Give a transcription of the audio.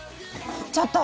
ちょっと。